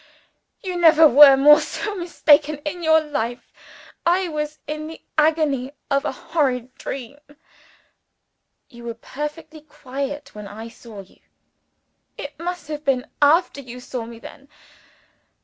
You never were more mistaken in your life. I was in the agony of a horrid dream." "You were perfectly quiet when I saw you." "It must have been after you saw me, then.